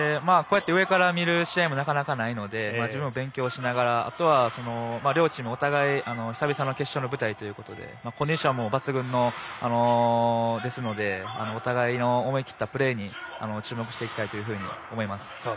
こうやって上から見る試合もなかなかないので自分も勉強しながらあとは両チーム久々の決勝の舞台ということでコンディションは抜群ですのでお互いの思い切ったプレーに注目していきたいと思います。